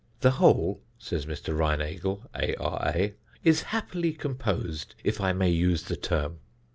"The whole," says Mr. Reinagle, A.R.A., "is happily composed, if I may use the term."